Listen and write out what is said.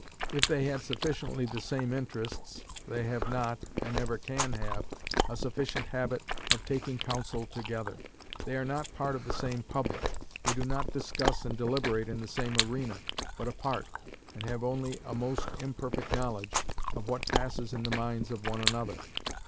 If they had sufficiently the same interests, they have not, and never can have, a sufficient habit of taking council together. They are not part of the same public; they do not discuss and deliberate in the same arena, but apart, and have only a most imperfect knowledge of what passes in the minds of one another.